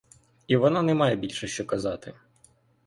І вона не має більше що казати.